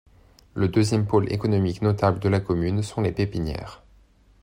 Le deuxième pôle économique notable de la commune sont les pépinières.